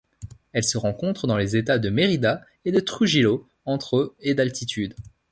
Elle se rencontre dans les États de Mérida et de Trujillo entre et d'altitude.